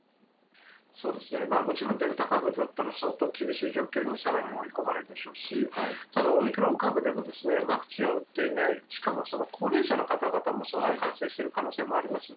そうですね、もちろん、デルタ株だったら相当厳しい状況にさらに追い込まれるでしょうし、ただオミクロン株でも、ワクチンを打っていない、しかも高齢者の方々も恐らく感染している可能性もあります。